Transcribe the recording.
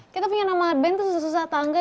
kita punya nama band itu susah susah tangga